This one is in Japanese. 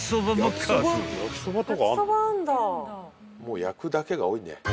もう焼くだけが多いね。